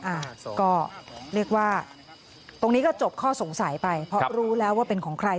อ่ะก็เรียกว่าตรงนี้ก็จบข้อสงสัยไปเพราะรู้แล้วว่าเป็นของใคร